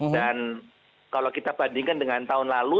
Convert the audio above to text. dan kalau kita bandingkan dengan tahun lalu